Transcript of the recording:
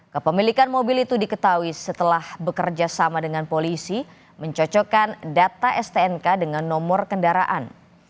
kepemilikan mobil itu diketahui setelah bekerja sama dengan polisi mencocokkan data stnk dengan nomor kendaraan